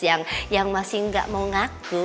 yang masih nggak mau ngaku